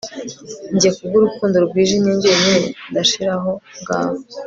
Njye kubwurukundo rwijimye njyenyine ndashiraho ngaho